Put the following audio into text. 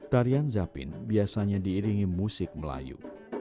tarian zapin biasanya diiringi musik melayu